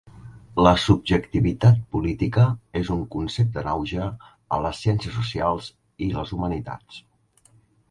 La subjectivitat política és un concepte en auge a les ciències socials i les humanitats.